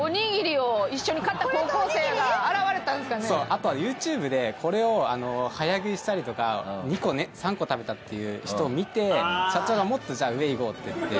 あとはＹｏｕＴｕｂｅでこれを早食いしたりとか２個３個食べたっていう人を見て社長が「もっとじゃあ上いこう」って言って。